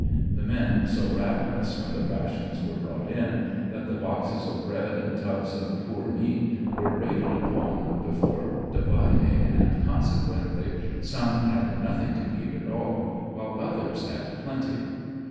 The men so ravenous when the rations were brought in, that the boxes of bread and tubs of poor meat were raided upon before dividing, and consequently some had nothing to eat at all, while others had plenty.